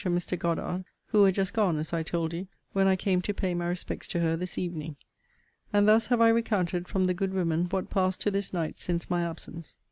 and Mr. Goddard: who were just gone, as I told you, when I came to pay my respects to her this evening. And thus have I recounted from the good women what passed to this night since my absence.